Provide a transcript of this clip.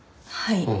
はい。